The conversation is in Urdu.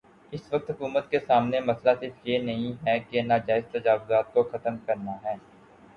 اس وقت حکومت کے سامنے مسئلہ صرف یہ نہیں ہے کہ ناجائز تجاوزات کو ختم کرنا ہے۔